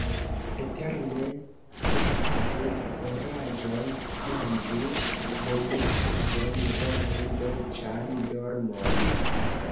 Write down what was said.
Eterne surhavu oraĵon, manĝu bongustaĵon, dormu dolĉan dormon!